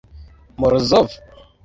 Morozov?